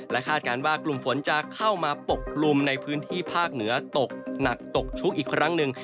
คาดการณ์ว่ากลุ่มฝนจะเข้ามาปกกลุ่มในพื้นที่ภาคเหนือตกหนักตกชุกอีกครั้งหนึ่ง